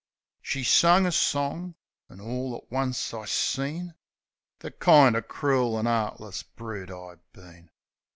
She sung a song; an' orl at once I seen The kind o' crool an' 'eartless broot I been.